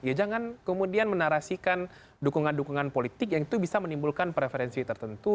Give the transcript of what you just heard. ya jangan kemudian menarasikan dukungan dukungan politik yang itu bisa menimbulkan preferensi tertentu